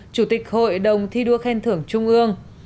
chủ tịch hội đồng thi đua khen thưởng trung ương